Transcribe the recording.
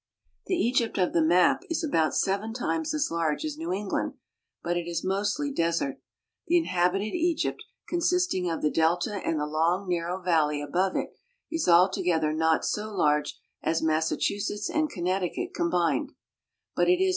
The Egypt of the map is about seven times as large as New England, but it is mostly desert. The inhabited Egypt, consisting of the delta and the long, narrow valley above it, is a!l together not so large as Massachusetts and Connecticut combined; but it is